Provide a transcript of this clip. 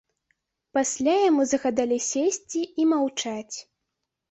Пасля яму загадалі сесці і маўчаць.